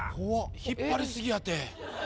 引っ張り過ぎやて。